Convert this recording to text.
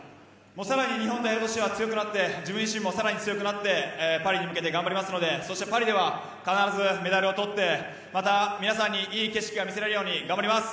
さらに日本代表として強くなって自分自身、さらに強くなってパリに向けて頑張りますのでそしてパリでは必ずメダルを取ってまた、皆さんにいい景色を見せられるように頑張ります。